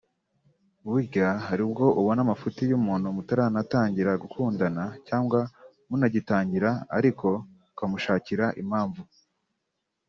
Burya hari ubwo ubona amafuti y’umuntu mutaranatangira gukundana cyangwa munagitangira ariko ukamushakira impamvu